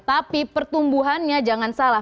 tapi pertumbuhannya jangan salah